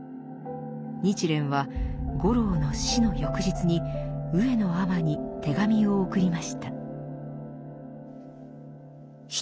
日蓮は五郎の死の翌日に上野尼に手紙を送りました。